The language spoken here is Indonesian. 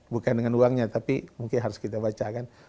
bukan dengan uangnya tapi mungkin harus kita baca kan